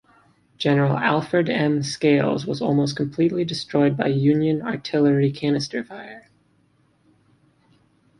General Alfred M. Scales was almost completely destroyed by Union artillery canister fire.